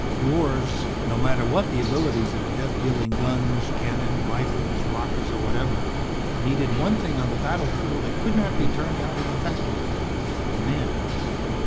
Wars, no matter what the abilities of the death dealing guns, cannon, rifles, rockets or whatever, needed one thing on the battlefield that could not be turned out in a factory: Men.